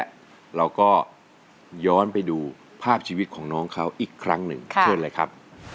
เราก็ย้อนไปดูภาพชีวิตของน้องเขาอีกครั้งหนึ่งเชิญเลยครับ